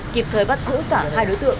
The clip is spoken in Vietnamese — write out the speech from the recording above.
kịp thời bắt giữ cả hai đối tượng